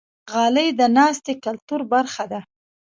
غالۍ د ناستې کلتور برخه ده.